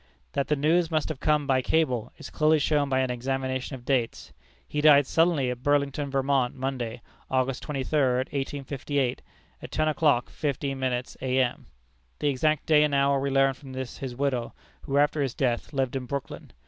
That the news must have come by cable, is clearly shown by an examination of dates. He died suddenly, at Burlington, Vermont, Monday, August twenty third, 1858, at ten o'clock fifteen minutes A.M. The exact day and hour we learned from his widow, who after his death lived in Brooklyn.